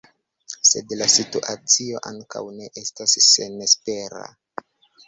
Sed la situacio ankaŭ ne estas senespera.